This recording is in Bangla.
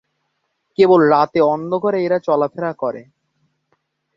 কেবল রাতে অন্ধকারে এরা চলাফেরা করে।